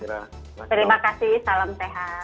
terima kasih salam sehat